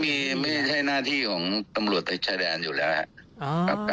ไม่ใช่หน้าที่ของตำรวจในชายแดนอยู่แล้วครับ